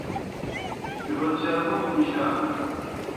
بہیو چرموگوْ مُشا۔